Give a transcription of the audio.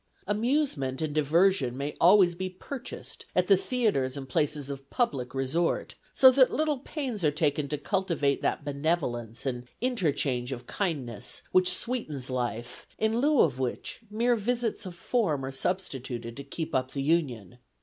Amusement and diversion may always be purchased at the theatres and places of public resort, so that little pains are taken to cultivate that benevolence and interchange of kindness which sweetens life, in lieu of which mere visits of form are substituted to keep up the union.